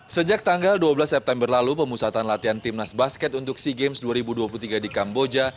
sejak tanggal dua belas september lalu pemusatan latihan timnas basket untuk sea games dua ribu dua puluh tiga di kamboja